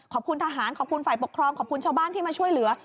ขอบคุณทหารขอบคุณฝ่ายปกครองขอบคุณชาวบ้านที่มาช่วยเหลือ